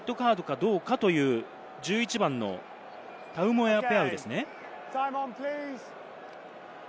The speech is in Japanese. レッドカードかどうかという、１１番・タウモエペアウですね。